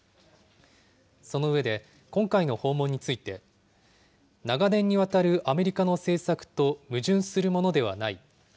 その上で、今回の訪問について、長年にわたるアメリカの政策と矛盾するものではない。